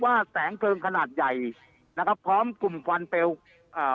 แสงเพลิงขนาดใหญ่นะครับพร้อมกลุ่มควันเปลวอ่า